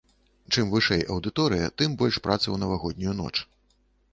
Чым вышэй аўдыторыя, тым больш працы ў навагоднюю ноч.